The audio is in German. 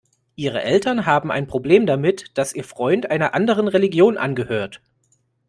Ihre Eltern haben ein Problem damit, dass ihr Freund einer anderen Religion angehört.